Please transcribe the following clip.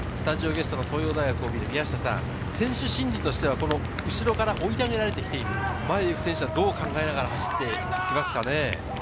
宮下さん、選手心理としては後ろから追い上げられて来ている、前を行く選手はどう考えながら走っていますかね。